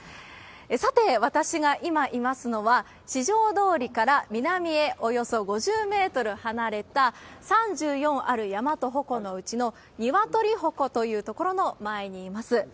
さて、私が今いますのは、四条通から南へおよそ５０メートル離れた、３４ある山と鉾のうちの、鶏鉾というところの前にいます。